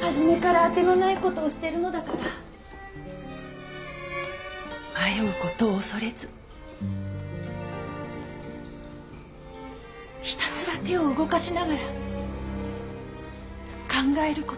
初めから当てのないことをしてるのだから迷うことを恐れずひたすら手を動かしながら考えることよ。